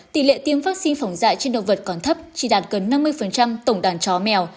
tỷ lệ tiêm vaccine phòng dạy trên động vật còn thấp chỉ đạt gần năm mươi tổng đàn chó mèo